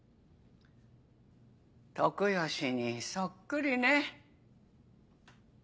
徳義にそっくりね。